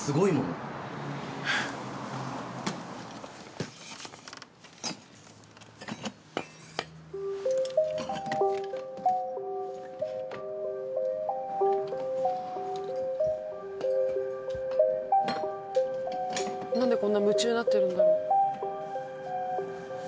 何でこんな夢中になってるんだろう？